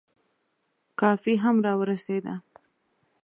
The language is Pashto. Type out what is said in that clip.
کافي هم را ورسېده.